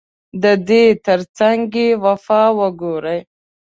ددې ترڅنګ که يې وفا وګورې